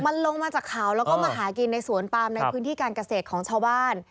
มันลงมาจากเขาแล้วก็มาหากินในสวนปามในพื้นที่การเกษตรของชาวบ้าน